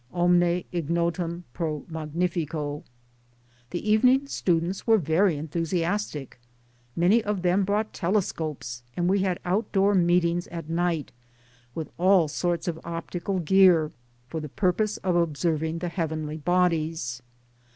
Omne ignotum pro magnifico. The evening students were very enthusiastic. Many of them bought telescopes, and we had outdoor meetings at night, with all sorts of optical gear, for the pur pose of observing the heavenly bodies.